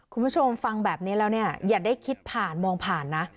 คุณผู้ชมฟังแบบนี้แล้วเนี่ยอย่าได้คิดผ่านมองผ่านนะ